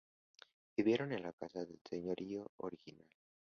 Vivieron en la casa del señorío original.